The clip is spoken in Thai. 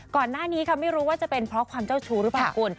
ก่อนหน้านี้ค่ะไม่รู้ว่าจะเป็นเพราะความเจ้าชู้หรือเปล่าคุณ